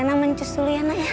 lena mencuci dulu yaa nay